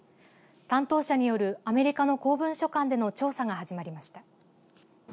担当者によるアメリカの公文書館での調査が始まりました。